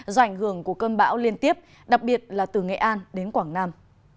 do ảnh hưởng của cơn bão liên tiếp đặc biệt là từ nghệ an đến quảng nam